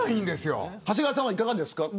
長谷川さんはいかがですか。